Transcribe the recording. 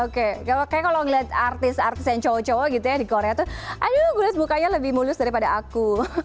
oke kayak kalau ngelihat artis artis yang cowok cowok gitu ya di korea tuh aduh gue sebutannya lebih mulus daripada aku